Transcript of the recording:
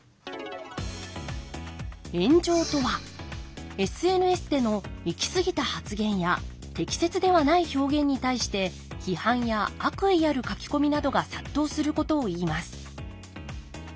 炎上とはＳＮＳでの行き過ぎた発言や適切ではない表現に対して批判や悪意ある書き込みなどが殺到することをいいます。